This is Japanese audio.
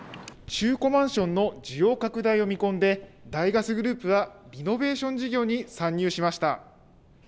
中古マンションの需要拡大を見込んで、大ガスグループがリノベーション事業に参入しました。